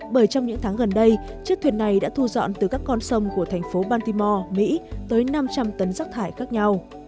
bởi trong những tháng gần đây chiếc thuyền này đã thu dọn từ các con sông của thành phố bantimo mỹ tới năm trăm linh tấn rác thải khác nhau